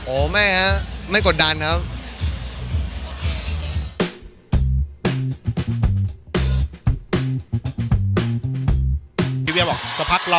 ไม่ครับไม่กดดันครับ